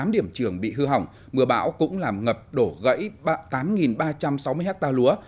tám điểm trường bị hư hỏng mưa bão cũng làm ngập đổ gãy tám ba trăm sáu mươi ha lúa